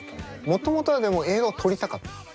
もともとはでも映画を撮りたかったの？